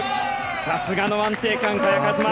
さすがの安定感、萱和磨！